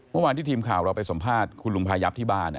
เมื่อวานที่ทีมข่าวเราไปสัมภาษณ์คุณลุงพายับที่บ้าน